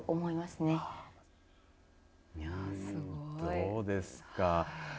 どうですか。